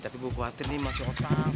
tapi gue khawatir nih mas yohotam